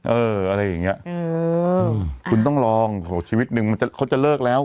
อะไรอย่างเงี้ยอืมคุณต้องลองโหชีวิตหนึ่งมันจะเขาจะเลิกแล้ว